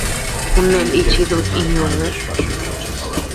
Un neʼë nichi dut-íñuu.